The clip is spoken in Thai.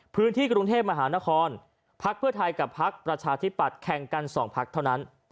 พื้นที่กรุงเทพมหานครพักเพื่อไทยกับพักประชาธิปัตย์แข่งกัน๒พักเท่านั้น